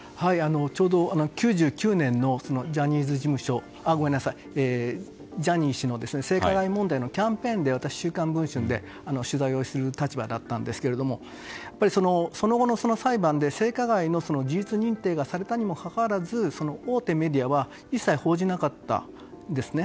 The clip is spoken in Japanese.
ちょうど９９年のジャニー氏の性加害問題のキャンペーンで私、「週刊文春」で取材をする立場になったんですがその後の裁判で性加害の事実認定がされたにもかかわらず大手メディアは一切報じなかったんですね。